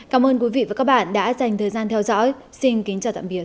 cảm ơn quý vị và các bạn đã dành thời gian theo dõi xin kính chào tạm biệt